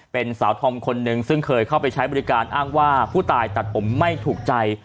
เป็นสาวธอมคนนึงซึ่งเคยเข้าไปใช้บริการอ้างว่าผู้ตายตัดผมไม่ถูกใจ